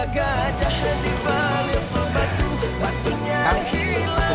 kak hasilnya dua